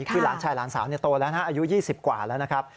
คือหลานชายหลานสาวโตแล้วนะอายุ๒๐กว่าแล้วนะครับ